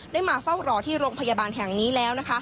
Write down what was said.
ได้มาเฝ้ารอที่โรงพยาบาลแห่งนี้แล้ว